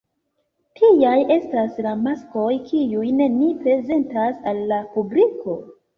Tiaj estas la maskoj kiujn ni prezentas al la publiko.